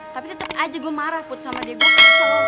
tapi tetap aja gue marah put sama dia gue